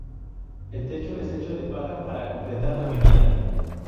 El techo es hecho de paja, para completar la vivienda.